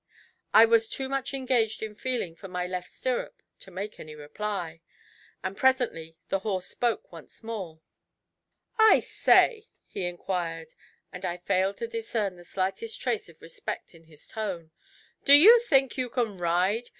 I was too much engaged in feeling for my left stirrup to make any reply, and presently the horse spoke once more. 'I say,' he inquired, and I failed to discern the slightest trace of respect in his tone 'do you think you can ride?'